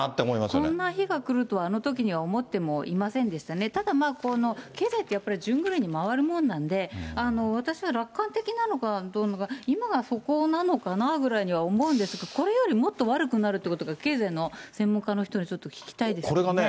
こんな日が来るとはあのときには思ってもいませんでしたね、ただ、経済って順繰りに回るもんなんで、私は楽観的なのかどうなのか、今が底なのかなぐらいには思うんですが、これよりもっと悪くなるっていうことが、経済の専門家の人に聞きたいですよね。